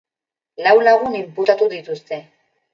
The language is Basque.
Lau lagun inputatu dituzte.